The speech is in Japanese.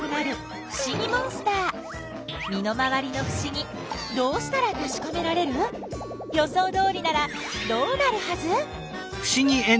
身の回りのふしぎどうしたらたしかめられる？予想どおりならどうなるはず？